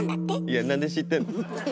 いやなんで知ってんの？